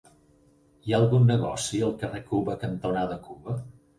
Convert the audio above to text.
Hi ha algun negoci al carrer Cuba cantonada Cuba?